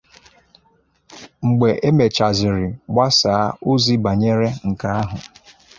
Mgbe e mechazịrị mgbasa ozi banyere nke ahụ